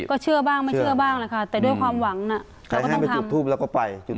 ก็เชื่อบ้างไม่เชื่อบ้างแหละค่ะแต่ด้วยความหวังใครให้ไปจุดทูบเราก็ไป